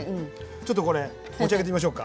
ちょっとこれ持ち上げてみましょうか。